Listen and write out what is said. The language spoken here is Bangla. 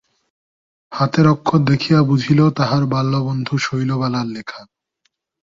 হাতের অক্ষর দেখিয়া বুঝিল তাহার বাল্যবন্ধু শৈলবালার লেখা।